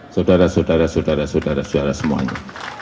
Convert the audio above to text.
saudara saudara saudara saudara saudara saudara semuanya